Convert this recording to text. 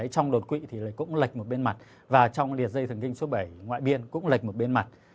trong đột quỵ thì cũng lệch một bên mặt và trong liệt dây thần kinh số bảy ngoại biên cũng lệch một bên mặt